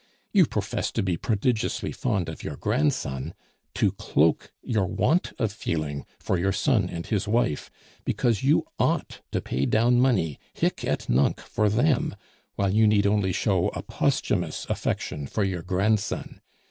You profess to be prodigiously fond of your grandson, to cloak your want of feeling for your son and his wife, because you ought to pay down money hic et nunc for them, while you need only show a posthumous affection for your grandson.